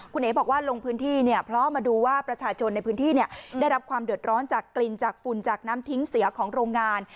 คุณเอ๋บอกว่าลงพื้นที่เนี่ยเพราะมาดูว่าประชาชนในพื้นที่ได้รับความเดือดร้อนจากกลิ่นจากฝุ่นจากน้ำทิ้งเสียของโรงงาน